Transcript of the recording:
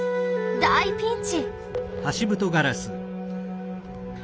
大ピンチ！